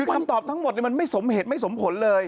คือคำตอบทั้งหมดมันไม่สมเหตุไม่สมผลเลย